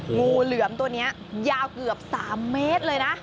งูเหลือมตัวนี้ยาวเกือบ๓เมตรเลยนะ